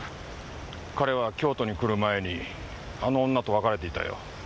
彼は京都に来る前にあの女と別れていたよ。